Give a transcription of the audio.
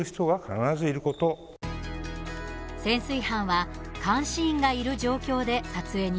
潜水班は監視員がいる状況で撮影に臨みます。